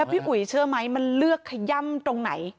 พี่อุ๋ยเชื่อไหมมันเลือกขย่ำตรงไหน